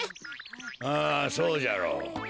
ああそうじゃろう。